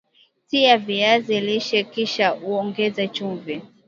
Tia viazi lishe kisha ongeza chumvi